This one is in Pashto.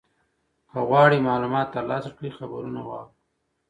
که غواړې معلومات ترلاسه کړې خبرونه واوره.